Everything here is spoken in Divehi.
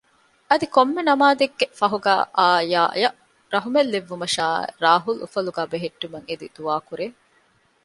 އަދި ކޮންމެ ނަމާދެއްގެ ފަހުގައި އާޔާއަށް ރަހުމަތް ލެއްވުމަށާ ރާހުލް އުފަލުގައި ބެހެއްޓުމަށް އެދި ދުޢާ ކުރޭ